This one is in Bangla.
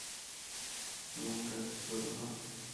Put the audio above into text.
এমন কাজ করো না।